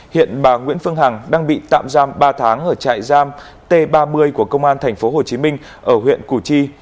hiện bà nguyễn phương hằng đang bị tạm giam ba tháng ở trại giam t ba mươi của công an thành phố hồ chí minh ở huyện củ chi